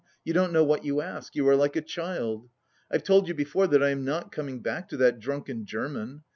"You don't know what you ask; you are like a child! I've told you before that I am not coming back to that drunken German.